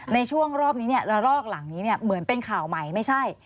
ในช่วงรอบนี้เนี่ยระลอกหลังนี้เหมือนเป็นข่าวใหม่ไม่ใช่